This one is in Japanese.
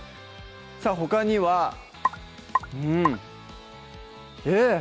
さぁほかにはうんえぇ！